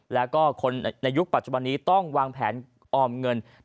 แล้วก็คนในยุคปัจจุบันนี้ต้องวางแผนออมเงิน